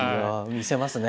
魅せますね。